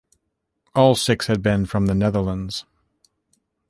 All six have been from the Netherlands.